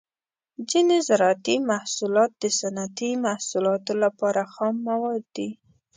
ځینې زراعتي محصولات د صنعتي محصولاتو لپاره خام مواد دي.